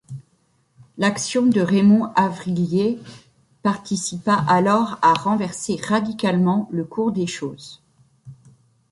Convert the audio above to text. L'action de Raymond Avrillier participa alors à renverser radicalement le cours des choses.